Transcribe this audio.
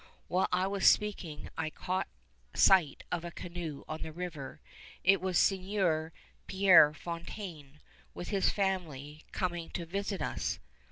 While I was speaking I caught sight of a canoe on the river. It was Sieur Pierre Fontaine, with his family, coming to visit us.